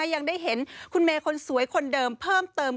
ยังได้เห็นคุณเมย์คนสวยคนเดิมเพิ่มเติม